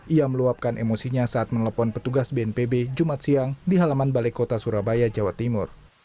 ia meluapkan emosinya saat menelpon petugas bnpb jumat siang di halaman balai kota surabaya jawa timur